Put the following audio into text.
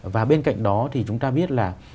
và bên cạnh đó thì chúng ta biết là